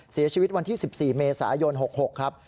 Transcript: เสียชีวิตวันที่๑๔เมษายน๖๖ครับ